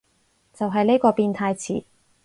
就係呢個變態詞